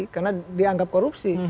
karena dianggap korupsi